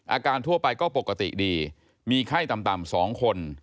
ทั่วไปก็ปกติดีมีไข้ต่ำ๒คน